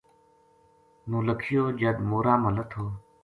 نولکھیو جد مورا ما لتھو